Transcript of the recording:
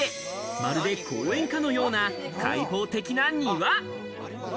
まるで公園かのような開放的な庭。